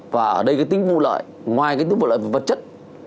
và ở đây cái tính vụ lợi ngoài cái tính vụ lợi về vật chất